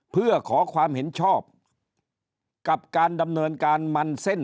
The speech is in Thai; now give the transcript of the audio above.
เพื่อขอความเห็นชอบกับการดำเนินการมันเส้น